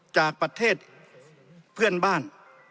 จากประเทศเพื่อนบ้าน